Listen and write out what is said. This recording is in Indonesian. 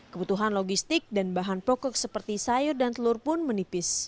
kebutuhan logistik dan bahan pokok seperti sayur dan telur pun menipis